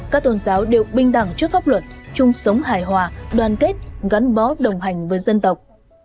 các tôn giáo đều bình đẳng trước pháp luật chung sống hài hòa đoàn kết gắn bó đồng hành với dân tộc